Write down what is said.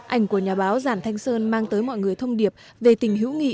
ảnh của nhà báo giản thanh sơn mang tới mọi người thông điệp về tình hữu nghị